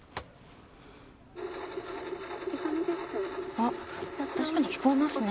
あっ確かに聞こえますね。